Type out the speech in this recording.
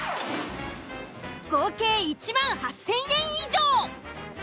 合計１８，０００円以上。